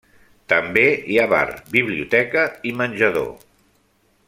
També hi ha bar, biblioteca i menjador.